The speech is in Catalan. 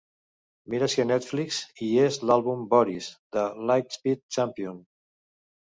Mira si a Netflix hi és l'àlbum "Boris", de Lightspeed Champion.